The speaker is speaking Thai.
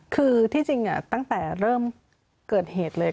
คือที่จริงตั้งแต่เริ่มเกิดเหตุเลย